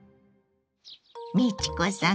美智子さん